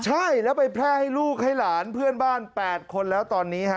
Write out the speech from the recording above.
ใช่แล้วไปแพร่ให้ลูกให้หลานเพื่อนบ้าน๘คนแล้วตอนนี้ฮะ